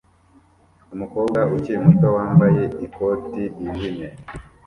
Umukobwa ukiri muto wambaye ikoti ryijimye